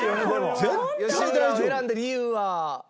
選んだ理由は？